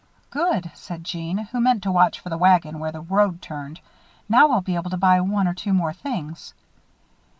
"Good," said Jeanne, who meant to watch for the wagon where the road turned. "Now I'll be able to buy one or two more things."